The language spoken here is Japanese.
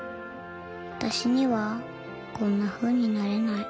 私にはこんなふうになれない。